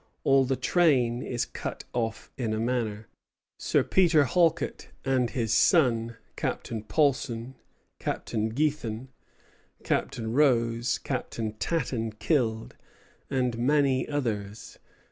All the train is cut off in a manner. Sir Peter Halket and his son, Captain Polson, Captain Gethan, Captain Rose, Captain Tatten killed, and many others.